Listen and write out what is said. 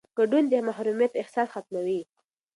ګډون د محرومیت احساس ختموي